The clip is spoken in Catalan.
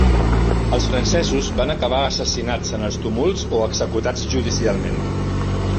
Els francesos van acabar assassinats en els tumults o executats judicialment.